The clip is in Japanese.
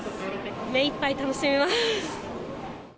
目いっぱい楽しみます。